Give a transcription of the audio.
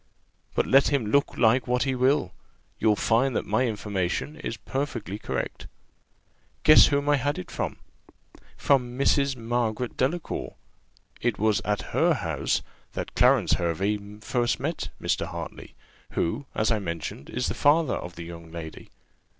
But let him look like what he will, you'll find that my information is perfectly correct. Guess whom I had it from from Mrs. Margaret Delacour: it was at her house that Clarence Hervey first met Mr. Hartley, who, as I mentioned, is the father of the young lady.